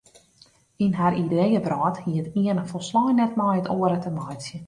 Yn har ideeëwrâld hie it iene folslein net met it oare te meitsjen.